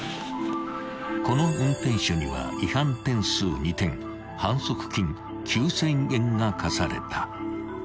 ［この運転手には違反点数２点反則金９，０００円が科された］